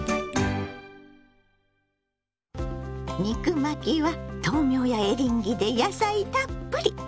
肉巻きは豆苗やエリンギで野菜たっぷり！